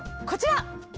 こちら。